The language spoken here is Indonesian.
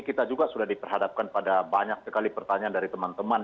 kita juga sudah diperhadapkan pada banyak sekali pertanyaan dari teman teman